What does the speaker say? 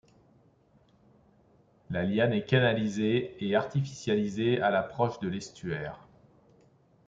La Liane est canalisée et artificialisée à l'approche de l'estuaire.